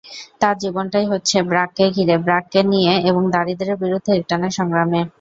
তাঁর জীবনটাই হচ্ছে ব্র্যাককে ঘিরে, ব্র্যাককে নিয়ে এবং দারিদ্র্যের বিরুদ্ধে একটানা সংগ্রামে।